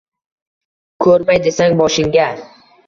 Koʼrmay desang boshingga